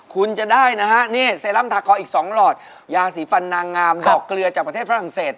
คุณจะได้นะฮะนี่เซรั่มทากออีก๒หลอดยาสีฟันนางงามดอกเกลือจากประเทศฝรั่งเศส